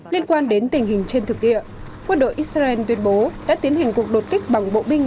liên quan đến tình hình trên thực địa quân đội israel tuyên bố đã tiến hành cuộc đột kích bằng bộ binh